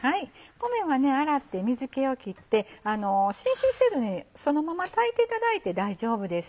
米は洗って水気を切って浸水せずにそのまま炊いていただいて大丈夫です。